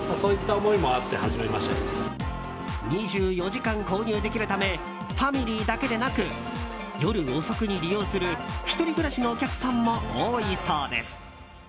２４時間購入できるためファミリーだけでなく夜遅くに利用する１人暮らしのお客さんも多いそうです。